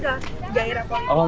anak anak muda udah